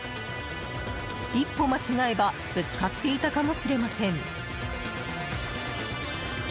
一歩間違えばぶつかっていたかもしれません。